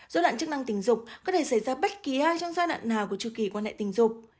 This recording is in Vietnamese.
dối loạn chức năng tình dục có thể xảy ra bất kỳ ai trong giai đoạn nào của chư kỳ quan hệ tình dục